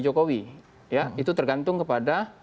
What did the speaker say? jokowi itu tergantung kepada